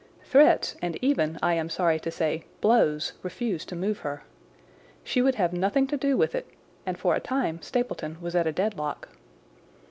Threats and even, I am sorry to say, blows refused to move her. She would have nothing to do with it, and for a time Stapleton was at a deadlock.